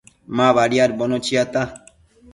Ma badiadbono chiata